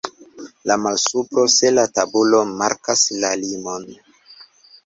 La malsupro se la tabulo markas la limon.